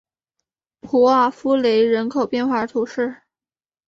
普瓦夫雷人口变化图示